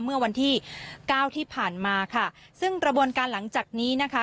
เมื่อวันที่เก้าที่ผ่านมาค่ะซึ่งกระบวนการหลังจากนี้นะคะ